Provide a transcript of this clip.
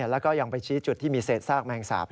แล้วก็ยังไปชี้จุดที่มีเศษซากแมงสาป